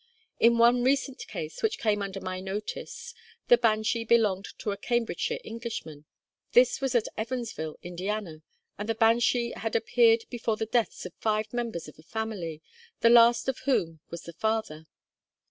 In one recent case which came under my notice the banshee belonged to a Cambridgeshire Englishman. This was at Evansville, Indiana, and the banshee had appeared before the deaths of five members of a family, the last of whom was the father.